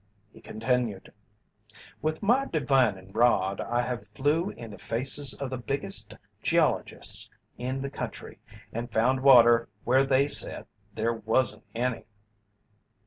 He continued: "With my divinin' rod I have flew in the faces of the biggest geologists in the country and found water where they said there wasn't any."